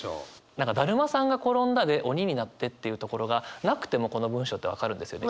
何か「だるまさんがころんだで鬼になって」っていうところがなくてもこの文章って分かるんですよね。